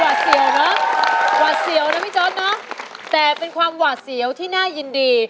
เสียวเนอะหวาดเสียวนะพี่จ๊อตเนอะแต่เป็นความหวาดเสียวที่น่ายินดี